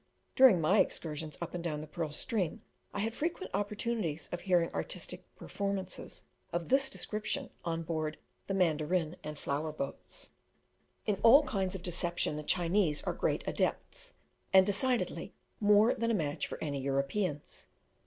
During my excursions up and down the Pearl stream, I had frequent opportunities of hearing artistic performances of this description on board the mandarin and flower boats. In all kinds of deception the Chinese are great adepts, and decidedly more than a match for any Europeans.